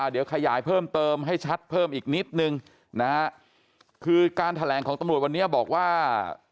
เดี๋ยวขยายเพิ่มเติมให้ชัดเพิ่มอีกนิดนึงนะฮะคือการแถลงของตำรวจวันนี้บอกว่า